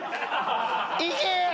いけ！